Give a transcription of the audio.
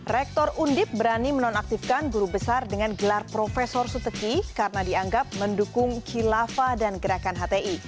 rektor undip berani menonaktifkan guru besar dengan gelar profesor suteki karena dianggap mendukung kilafah dan gerakan hti